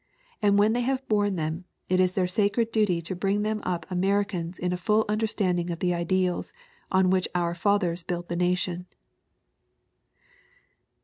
And when they have borne them, it is their sacred duty to bring them up Americans in a full understanding of the ideals on which our fathers built the nation."